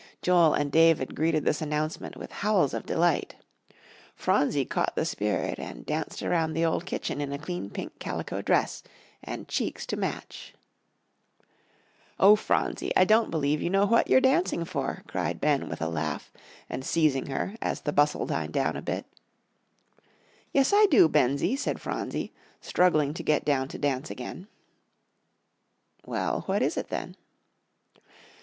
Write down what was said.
Joel and David greeted this announcement with howls of delight. Phronsie caught the spirit and danced around the old kitchen in a clean pink calico dress, and cheeks to match. "Oh, Phronsie, I don't believe you know what you're dancing for," cried Ben with a laugh, and seizing her as the bustle died down a bit. "Yes, I do, Bensie," said Phronsie, struggling to get down to dance again. "Well, what is it then?"